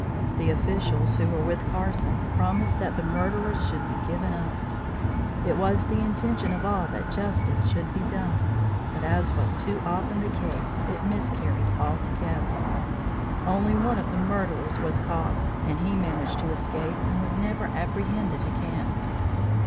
The officials who were with Carson promised that the murderers should be given up. It was the intention of all that justice should be done, but, as was too often the case, it miscarried altogether. Only one of the murderers was caught and he managed to escape and was never apprehended again.